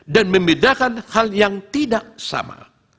dan membedakan hal yang tidak sama